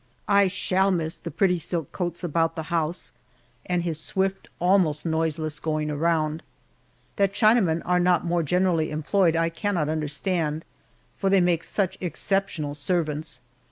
I shall miss the pretty silk coats about the house, and his swift, almost noiseless going around. That Chinamen are not more generally employed I cannot understand, for they make such exceptional servants.